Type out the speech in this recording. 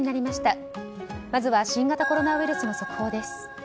まずは新型コロナウイルスの速報です。